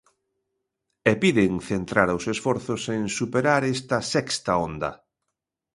E piden centrar os esforzos en superar esta sexta onda.